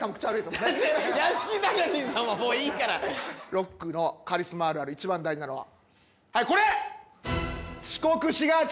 ロックのカリスマあるある一番大事なのははいこれ！